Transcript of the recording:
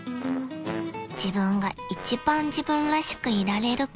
［自分が一番自分らしくいられるから］